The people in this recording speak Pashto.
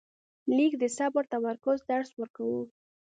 لیک د صبر او تمرکز درس ورکاوه.